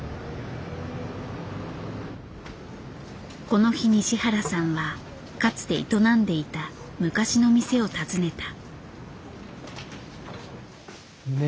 この日西原さんはかつて営んでいた昔の店を訪ねた。